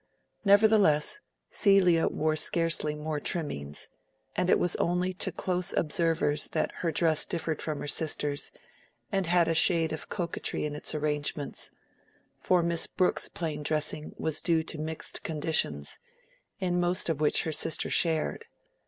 Nevertheless, Celia wore scarcely more trimmings; and it was only to close observers that her dress differed from her sister's, and had a shade of coquetry in its arrangements; for Miss Brooke's plain dressing was due to mixed conditions, in most of which her sister shared.